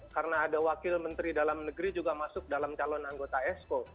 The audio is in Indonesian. karena ada wakil menteri dalam negeri juga masuk dalam calon anggota exco